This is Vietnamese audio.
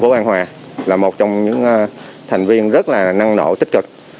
nhưng mà cũng là một trong những thành viên rất là năng lộ tích cực